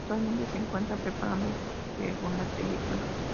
Actualmente se encuentra preparando su segunda película.